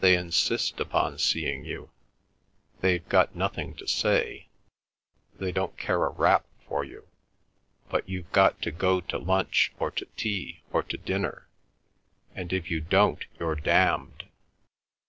They insist upon seeing you. They've got nothing to say; they don't care a rap for you; but you've got to go to lunch or to tea or to dinner, and if you don't you're damned.